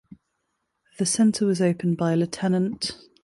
The Center was opened by Lt.